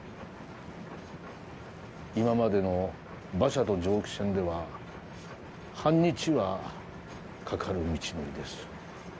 今までの馬車と蒸気船では半日はかかる道のりです。